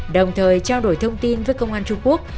đồng thời trao đổi thông tin với công an trung quốc